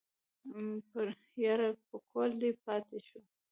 يره پکول دې پاتې شو.